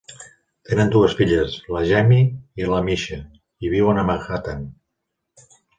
Tenen dues filles, la Jamie i la Misha, i viuen a Manhattan.